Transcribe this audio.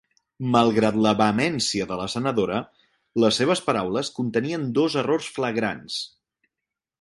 Malgrat la vehemència de la senadora, les seves paraules contenien dos errors flagrants.